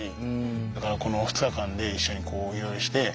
だからこの２日間で一緒にいろいろして。